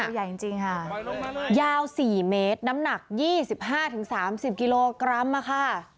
ตัวใหญ่จริงจริงค่ะไปลงมาเลยยาวสี่เมตรน้ำหนักยี่สิบห้าถึงสามสิบกิโลกรัมอ่ะค่ะ